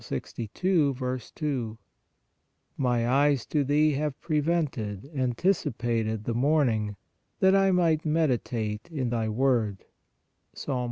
WHEN TO PRAY 127 2) ;" My eyes to Thee have prevented (anticipated) the morning, that I might meditate in Thy word " (Ps.